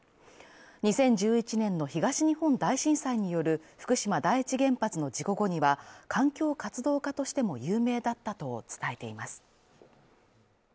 ２０１１年の東日本大震災による福島第一原発の事故後には環境活動家としても有名だったと伝えています。